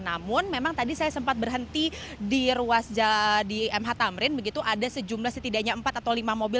namun memang tadi saya sempat berhenti di ruas jalan di mh tamrin begitu ada sejumlah setidaknya empat atau lima mobil